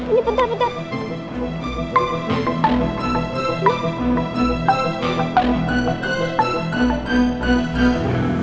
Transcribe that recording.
ini bentar bentar